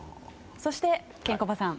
そして、ケンコバさん。